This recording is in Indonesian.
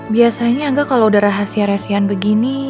biasanya angga kalau berbicara sama aku